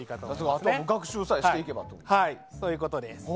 あとは学習さえしていけばということですね。